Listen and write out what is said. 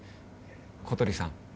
小鳥さん